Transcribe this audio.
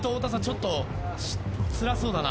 ちょっとつらそうだな。